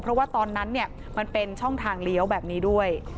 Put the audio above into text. เพราะว่าตอนนั้นมันเป็นช่องทางเลี้ยวแบบนี้ด้วย